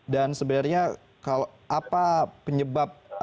dan sebenarnya apa penyebab